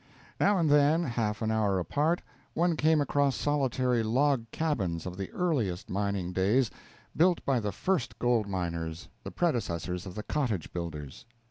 Now and then, half an hour apart, one came across solitary log cabins of the earliest mining days, built by the first gold miners, the predecessors of the cottage builders.